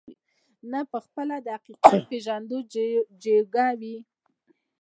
نه په خپله د حقيقت د پېژندو جوگه وي،